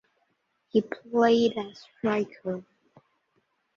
He played as striker.